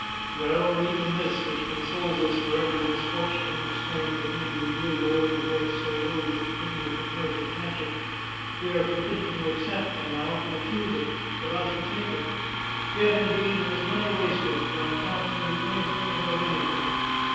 " Well, even this, which consoles us for every misfor tune," exclaimed the angry Grillo in a voice so low that the prisoner could hardly catch it, " we are forbidden to accept, and I ought to refuse it. But I shall take it. Yet, indeed, it is money wasted, for I can not tell you anything about noth ing.